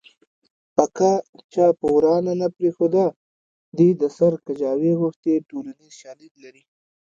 پکه چا په ورا نه پرېښوده دې د سر کجاوې غوښتې ټولنیز شالید لري